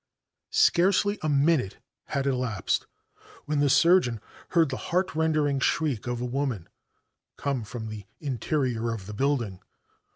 Scarcely a minute had elapsed when the surgeon heard the heartrending shriek of a woman come from the interior of the building.